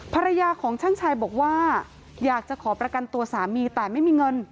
ภรรยาของช่างชายบอกว่าอยากจะขอประกันตัวสามีแต่ไม่มีเงิน